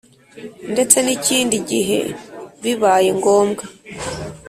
ndetse n’ikindi gihe bibaye ngombwa.